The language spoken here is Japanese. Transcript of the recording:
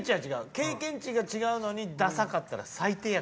経験値が違うのにダサかったら最低や。